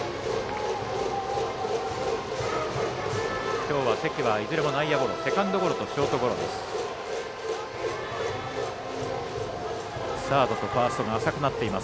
きょうは関は、いずれも内野ゴロセカンドゴロとショートゴロです。